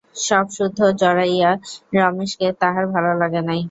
তা ছাড়া, সবসুদ্ধ জড়াইয়া রমেশকে তাহার ভালো লাগে নাই।